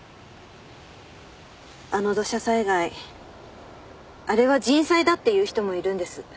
あの土砂災害あれは人災だって言う人もいるんです。